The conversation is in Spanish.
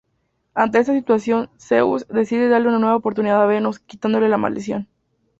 Ante esta situación, Zeus decide darle una nueva oportunidad a Venus, quitándole la maldición.